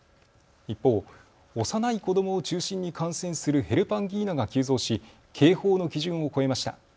一方、幼い子どもを中心に感染するヘルパンギーナが急増し警報の基準を超えました。